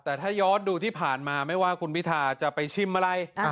แต่ถ้าย้อนดูที่ผ่านมาไม่ว่าคุณพิทาจะไปชิมอะไร